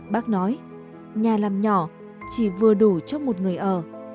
bác nói nhà làm nhỏ chỉ vừa đủ cho một người ở